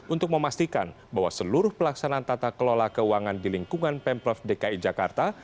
untuk memastikan bahwa seluruh pelaksanaan tata kelola keuangan di lingkungan pemprov dki jakarta